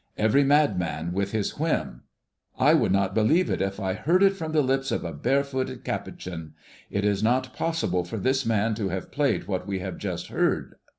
Every madman with his whim. I would not believe it if I heard it from the lips of a barefooted Capuchin. It is not possible for this man to have played what we have just heard.